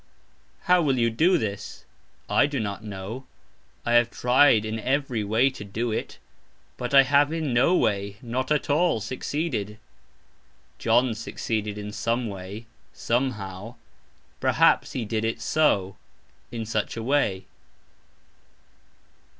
"How" will you do this? I do not know; I have tried in every way to do it, but I have "in no way" (not at all) succeeded. John succeeded "in some way" (somehow); perhaps he did it "so (in such a way").